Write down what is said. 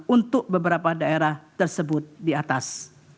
untuk beberapa daerah tersebut di atas